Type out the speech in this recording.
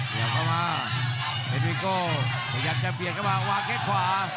เดี่ยวเข้ามาเอดริโกพยักจะเปลี่ยนเข้ามาวางแค่ขวา